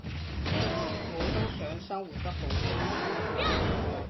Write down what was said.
我都想生活得好精彩